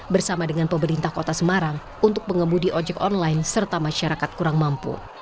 bersama dengan pemerintah kota semarang untuk pengemudi ojek online serta masyarakat kurang mampu